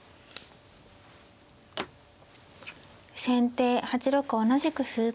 先手８六同じく歩。